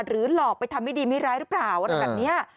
หลอกไปทำไม่ดีไม่ร้ายหรือเปล่าอะไรแบบนี้